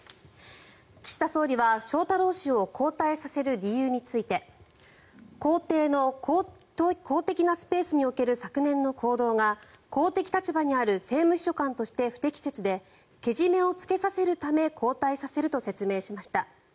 岸田総理は翔太郎氏を交代させる理由について公邸の公的なスペースにおける昨年の行動が公的立場にある政務秘書官として不適切でけじめをつけさせるため交代させると説明しました。